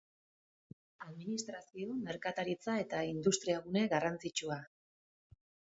Administrazio, merkataritza eta industria gune garrantzitsua.